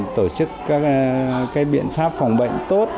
tổ chức các cái biện pháp phòng bệnh tốt